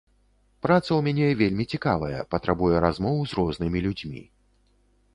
Праца ў мяне вельмі цікавая, патрабуе размоў з рознымі людзьмі.